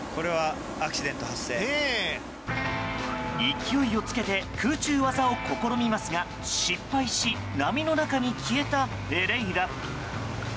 勢いをつけて空中技を試みますが失敗し波の中に消えたフェレイラ。